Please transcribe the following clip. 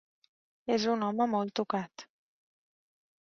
És un home molt tocat.